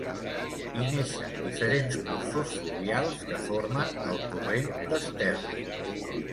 Hi neixen diferents cursos fluvials que formen el Torrent d'Esterri.